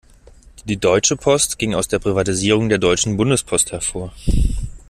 Die Deutsche Post ging aus der Privatisierung der Deutschen Bundespost hervor.